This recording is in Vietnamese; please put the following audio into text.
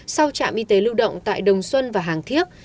sau trạm y tế lưu động tại đồng xuân và hàng thiếc